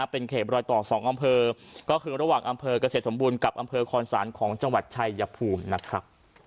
เป็นเขตรอยต่อ๒อำเภอก็คือระหว่างอำเภอกเกษตรสมบูรณ์กับอำเภอคอนศาลของจังหวัดชายภูมินะครับ